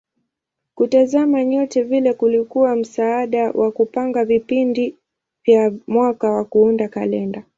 Kutazama nyota vile kulikuwa msaada wa kupanga vipindi vya mwaka na kuunda kalenda.